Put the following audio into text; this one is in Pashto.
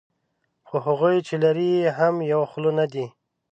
خو هغوی چې لري یې هم یوه خوله نه دي.